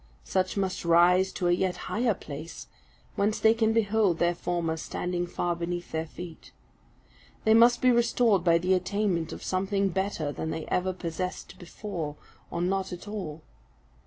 Such must rise to a yet higher place, whence they can behold their former standing far beneath their feet. They must be restored by the attainment of something better than they ever possessed before, or not at all.